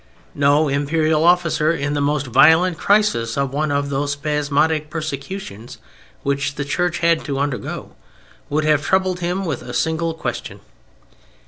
No imperial officer in the most violent crisis of one of those spasmodic persecutions which the Church had to undergo would have troubled him with a single question.